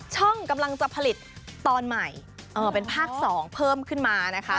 กำลังจะผลิตตอนใหม่เป็นภาค๒เพิ่มขึ้นมานะคะ